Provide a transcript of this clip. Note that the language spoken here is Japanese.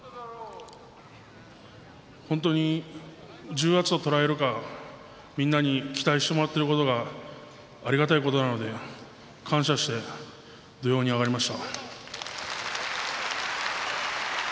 本当に重圧と捉えるか、みんなに期待してもらっていることがありがたいことなので感謝して土俵に上がりました。